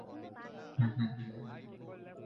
ওরা কোথায় আমি জানি না।